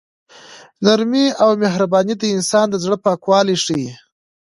نرمي او مهرباني د انسان د زړه پاکوالی ښيي.